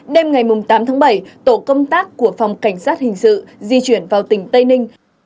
đêm ngày tám tháng bảy tổ công tác của phòng cảnh sát hình sự di chuyển vào tỉnh tây ninh